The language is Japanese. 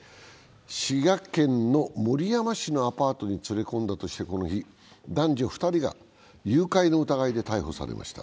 滋賀県守山市のアパートに連れ込んだとしてこの日、男女２人が誘拐の疑いで逮捕されました。